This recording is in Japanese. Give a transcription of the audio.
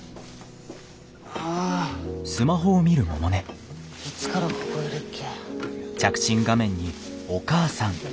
あいつからここいるっけ？